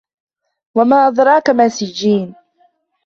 وَمَا أَدْرَاكَ مَا سِجِّينٌ